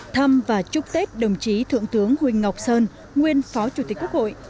thăm và chúc tết đồng chí thượng tướng huỳnh ngọc sơn nguyên phó chủ tịch quốc hội